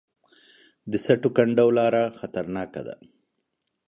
د سټو کنډو لاره خطرناکه ده